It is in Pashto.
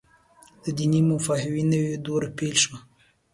د دیني مفاهیمو نوې دوره پيل شوه.